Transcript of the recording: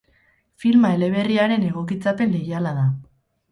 Filma eleberriaren egokitzapen leiala da.